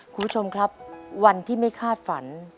คุณผู้ชมครับวันที่ไม่คาดฝัน